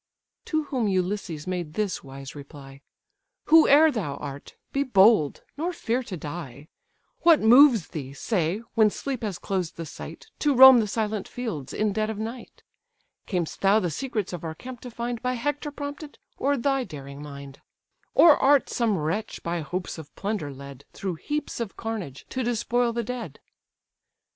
To whom Ulysses made this wise reply: "Whoe'er thou art, be bold, nor fear to die. What moves thee, say, when sleep has closed the sight, To roam the silent fields in dead of night? Cam'st thou the secrets of our camp to find, By Hector prompted, or thy daring mind? Or art some wretch by hopes of plunder led, Through heaps of carnage, to despoil the dead?"